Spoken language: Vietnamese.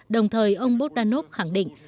đồng thời ông bogdanov khẳng định